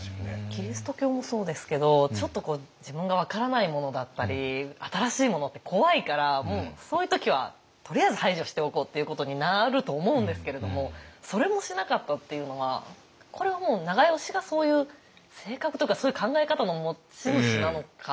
キリスト教もそうですけどちょっと自分が分からないものだったり新しいものって怖いからもうそういう時はとりあえず排除しておこうっていうことになると思うんですけれどもそれもしなかったっていうのはこれはもう長慶がそういう性格とかそういう考え方の持ち主なのか。